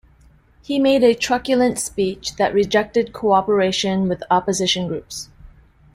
He made a truculent speech that rejected cooperation with opposition groups.